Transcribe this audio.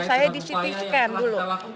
saya di ct scan dulu